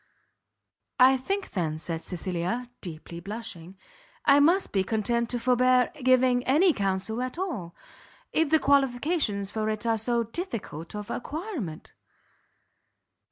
"I think, then," said Cecilia, deeply blushing, "I must be content to forbear giving any counsel at all, if the qualifications for it are so difficult of acquirement."